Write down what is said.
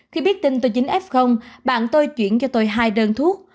khi biết tin tôi dính f bạn tôi chuyển cho tôi hai đơn thuốc